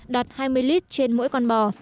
đạt hai mươi lít trên mỗi con bò